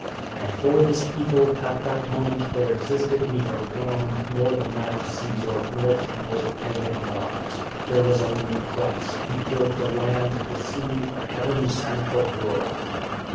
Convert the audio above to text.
I64 Q^O VADI8. And for this people, at that moment, there existed neither Rome, nor the mad Caesar, nor temples of pagan gods. There was only Christ, who filled the land, the sea, the heavens, and the world.